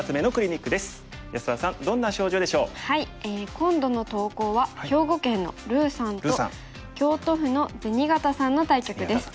今度の投稿は兵庫県のるぅさんと京都府のぜにがたさんの対局です。